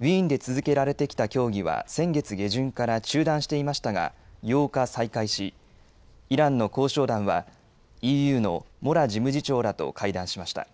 ウィーンで続けられてきた協議は、先月下旬から中断していましたが、８日、再開し、イランの交渉団は、ＥＵのモラ事務次長らと会談しました。